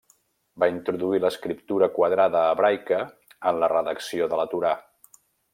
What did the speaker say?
Va introduir l'escriptura quadrada hebraica en la redacció de la Torà.